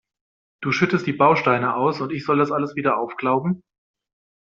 Du schüttest die Bausteine aus, und ich soll das alles wieder aufklauben?